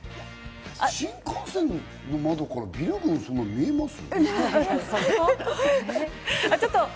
新幹線の窓からビル群、そんなに見えます？